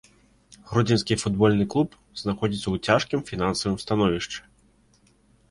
Гродзенскі футбольны клуб знаходзіцца ў цяжкім фінансавым становішчы.